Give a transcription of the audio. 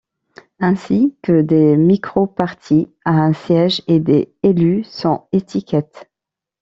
Ainsi que des micro-partis à un siège, et des élus sans étiquette.